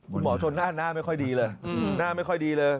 คุณหมอชนหน้าหน้าไม่ค่อยดีเลยหน้าไม่ค่อยดีเลย